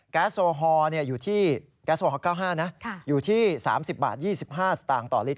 แก๊สโซฮอล์๙๕อยู่ที่๓๐๒๕สตต่อลิตร